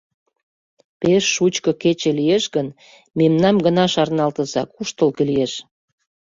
Пеш шучко кече лиеш гын, мемнам гына шарналтыза: куштылго лиеш.